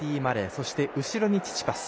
そして後ろにチチパス。